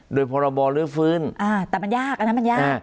โดยพรบรื้อฟื้นแต่มันยากอันนั้นมันยาก